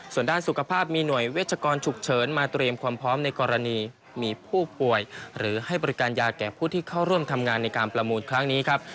ส่วนด้านสุขภาพมีหน่วยเวชกรฉุกเฉินมาเตรียมความพร้อมในกรณีมีผู้ป่วยหรือให้บริการยาแก่ผู้ที่เข้าร่วมทำงานในการประมูลครั้งนี้ครับ